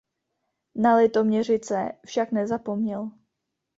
Na Litoměřice však nezapomněl.